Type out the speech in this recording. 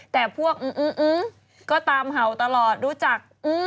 แต่พวกอื้ออื้ออื้อก็ตามเห่าตลอดรู้จักอื้อ